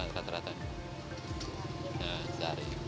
nah dari sekarang bisa dibilang